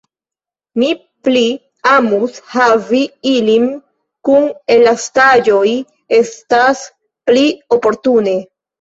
Mi pli amus havi ilin kun elastaĵoj, estas pli oportune.